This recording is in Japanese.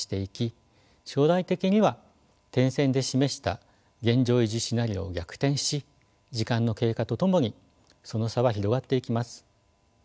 将来的には点線で示した現状維持シナリオを逆転し時間の経過とともにその差は広がっていきます。